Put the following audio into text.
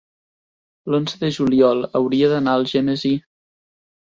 L'onze de juliol hauria d'anar a Algemesí.